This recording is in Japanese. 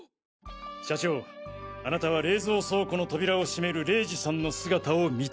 社長あなたは冷蔵倉庫の扉を閉める玲二さんの姿を見た。